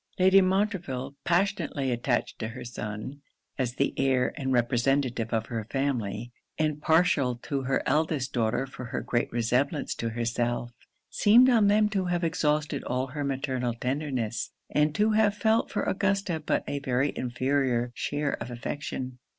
Lady Montreville, passionately attached to her son, as the heir and representative of her family, and partial to her eldest daughter for her great resemblance to herself, seemed on them to have exhausted all her maternal tenderness, and to have felt for Augusta but a very inferior share of affection.